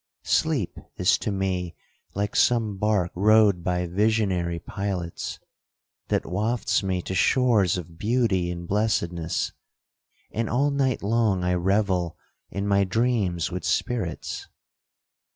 Sleep is to me like some bark rowed by visionary pilots, that wafts me to shores of beauty and blessedness,—and all night long I revel in my dreams with spirits.